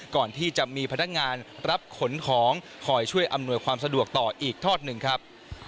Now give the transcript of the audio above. ก่อนที่จะมีพนักงานรับขนของคอยช่วยอำนวยความสะดวกต่ออีกทอดหนึ่งครับ